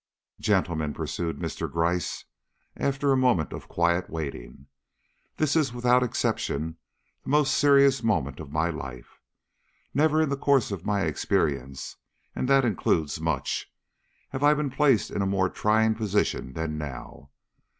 "Gentlemen," pursued Mr. Gryce, after a moment of quiet waiting, "this is without exception the most serious moment of my life. Never in the course of my experience and that includes much have I been placed in a more trying position than now.